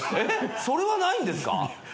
それはないんですか？